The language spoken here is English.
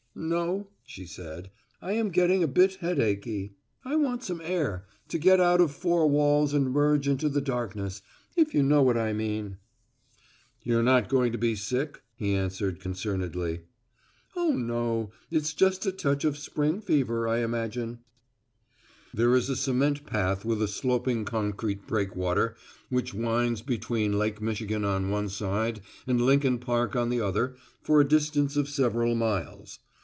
"No," she said, "I am getting a bit headachy, I want some air, to get out of four walls and merge into the darkness if you know what I mean." "You're not going to be sick?" he asked concernedly. "O, no it's just a touch of spring fever, I imagine." There is a cement path with a sloping concrete breakwater which winds between Lake Michigan on one side and Lincoln Park on the other for a distance of several miles.